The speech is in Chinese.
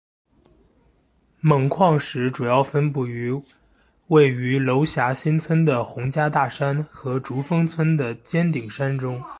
锰矿石主要分布于位于娄霞新村的洪家大山和竹峰村的尖顶山中。